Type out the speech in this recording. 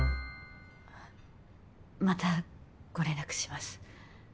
あまたご連絡します。